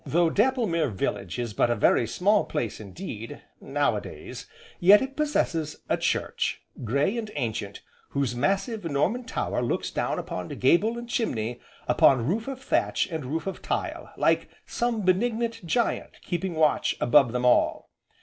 Though Dapplemere village is but a very small place indeed, now a days, yet it possesses a church, grey and ancient, whose massive Norman tower looks down upon gable and chimney, upon roof of thatch and roof of tile, like some benignant giant keeping watch above them all.